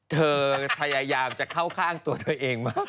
เธอพยายามจะเข้าข้างตัวเธอเองมาก